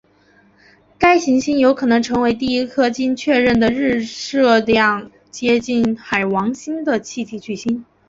该行星有可能成为第一颗经确认的日射量接近于海王星的气体巨星。